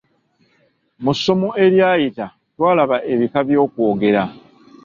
Mu ssomo eryayita twalaba ebika by’okwogera.